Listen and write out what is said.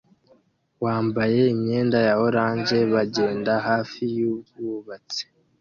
wambaye imyenda ya orange bagenda hafi yubwubatsi